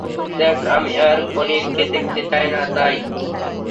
দেখ, আমি আর পনিরকে দেখতে চাই না তাই?